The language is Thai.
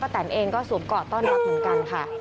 ประแทนเองก็สวมเกาะต้อนรับคุณกันค่ะ